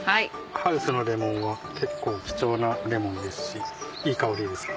ハウスのレモンは結構貴重なレモンですしいい香りです。